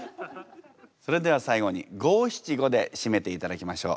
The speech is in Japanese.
それでは最後に五七五で締めていただきましょう。